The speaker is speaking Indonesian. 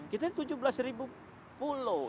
kita tujuh belas pulau